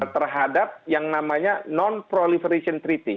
nah kita sudah mencari penelitian yang namanya non proliferation treaty